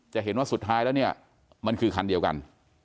จะเห็นว่าสุดท้ายแล้วเนี่ยมันคือคันเดียวกัน